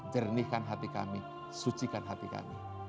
jernihkan hati kami sucikan hati kami